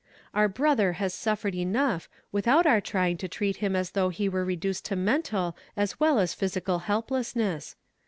Our brother has suffered enough, with .out our trying to treat him as though he were reduced to mental as well as physical helplessness.